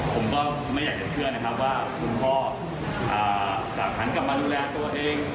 ผมก็ไม่อยากจะเชื่อนะครับว่าคุณพ่อจะหันกลับมาดูแลตัวเอง